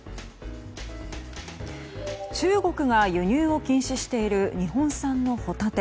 中国が輸入を禁止している日本産のホタテ。